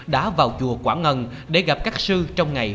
đã vào chùa quảng ngân để gặp các sư trong ngày